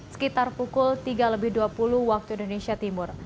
sekitar pukul tiga lebih dua puluh waktu indonesia timur